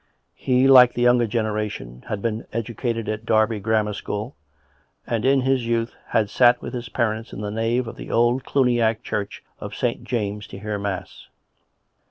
He, like the younger generation, had been educated at Derby Gram mar School, and in his youth had sat with his parents in the nave of the old Cluniac church of St. James to hear mass.